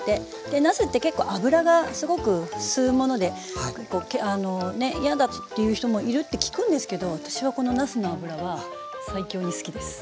なすって結構油がすごく吸うもので嫌だっていう人もいるって聞くんですけど私はこのなすの油は最強に好きです。